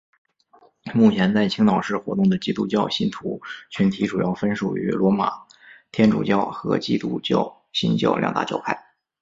目前在青岛市活动的基督教信徒群体主要分属于罗马天主教和基督教新教两大教派。